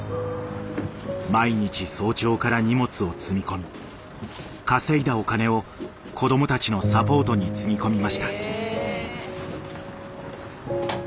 毎日早朝から荷物を積み込み稼いだお金を子どもたちのサポートにつぎ込みました。